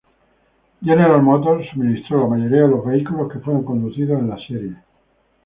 General Motors suministró la mayoría de los vehículos que fueron conducidos en la serie.